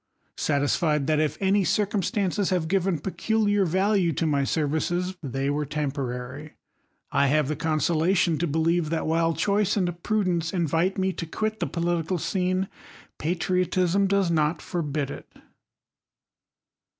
Satisfied that if any cir cumstances have given peculiar value to my services, they were temporary, I have the consolation to believe, that while choice and prudence invite me to quit the political scene, patriotism does not forbid it.